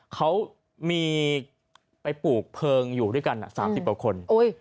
เขามีไปปลูกเพลิงอยู่ด้วยกัน๓๐กว่าคน